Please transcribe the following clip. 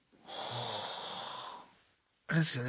あれですよね